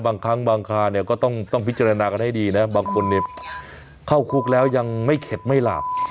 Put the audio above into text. บางครั้งบางคราเนี่ยก็ต้องพิจารณากันให้ดีนะบางคนเนี่ยเข้าคุกแล้วยังไม่เข็ดไม่หลาบ